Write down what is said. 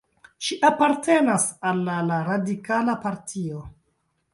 Ŝi apartenas al la radikala partio.